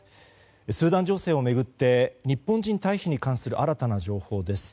スーダン情勢を巡って日本人退避に関する新たな情報です。